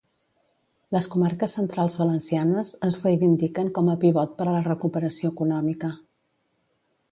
Les comarques centrals valencianes es reivindiquen com a pivot per a la recuperació econòmica.